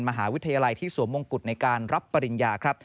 มหาวิทยาลัยที่สวมมงกุฎในการรับปริญญาครับ